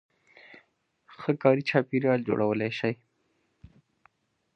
-ښه کاري چاپېریال جوړولای شئ